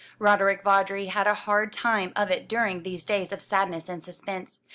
Roderick Vawdrey had a hard time of it during these days of sadness and suspense.